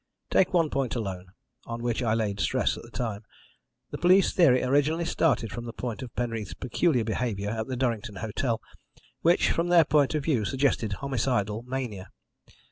Take one point alone, on which I laid stress at the time. The police theory originally started from the point of Penreath's peculiar behaviour at the Durrington hotel, which, from their point of view, suggested homicidal mania.